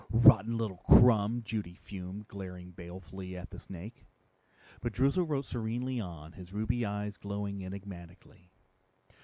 "Rotten little crumb," Judy fumed, glaring balefully at the snake. But Droozle wrote serenely on, his ruby eyes glowing enigmatically.